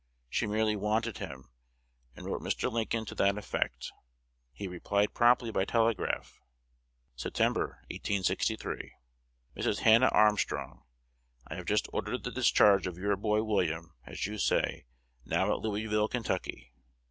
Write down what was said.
She merely "wanted" him, and wrote Mr. Lincoln to that effect. He replied promptly by telegraph: September, 1863. Mrs. Hannah Armstrong, I have just ordered the discharge of your boy William, as you say, now at Louisville, Ky.